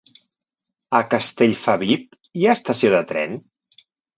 A Castellfabib hi ha estació de tren?